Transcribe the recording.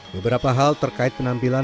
beberapa hal terkait penampilan